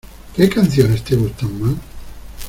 ¿Qué canciones te gustan más?